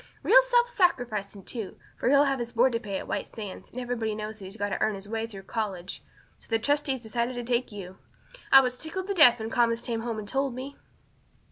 Real self sacrificing, too, for he'll have his board to pay at White Sands, and everybody knows he's got to earn his own way through college. So the trustees decided to take you. I was tickled to death when Thomas came home and told me."